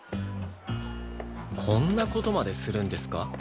こんな事までするんですか？